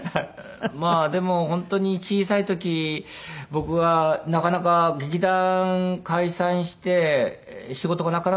まあでも本当に小さい時僕がなかなか劇団解散して仕事がなかなか入ってこない時に。